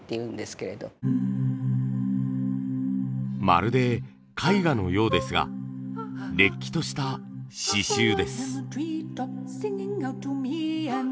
まるで絵画のようですがれっきとした刺繍です。